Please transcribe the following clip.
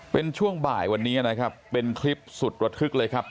เป็นช่วงบ่ายวันนี้นะครับเป็นคลิปสุดระทึกเลยครับ